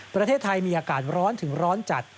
ประเทศไทยมีอากาศร้อนถึงร้อนจัด